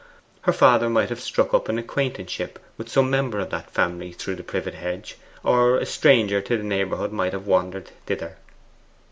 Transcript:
Her father might have struck up an acquaintanceship with some member of that family through the privet hedge, or a stranger to the neighbourhood might have wandered thither.